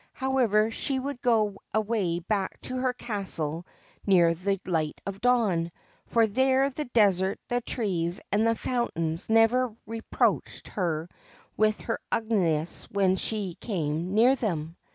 However, she would go away back to her castle near the Light of Dawn, for there the desert, the trees, and the fountains never reproached her with her ugliness when she came near them.